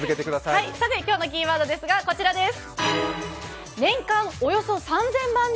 今日のキーワードですが、こちらです。